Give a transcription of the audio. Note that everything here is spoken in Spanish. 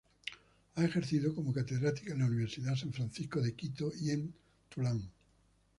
Ha ejercido como catedrática en la Universidad San Francisco de Quito y en Tulane.